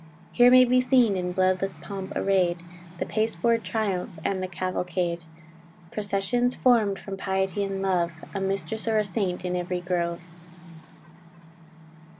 Here may be seen in bloodless pomp array'd, The pasteboard triumph, and the cavalcade; Processions form'd from piety and love, A mistress or a saint in every grove."